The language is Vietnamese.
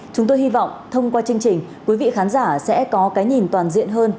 chúng tôi hy vọng thông qua chương trình quý vị khán giả sẽ có cái nhìn toàn diện hơn